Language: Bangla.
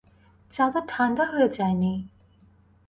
চা তো ঠাণ্ডা হয়ে যায় নি?